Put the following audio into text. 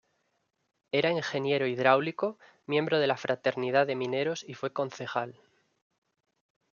Era ingeniero hidráulico, miembro de la fraternidad de mineros y fue concejal.